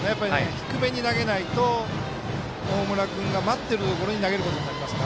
低めに投げないと大村君が待ってるところに投げることになります。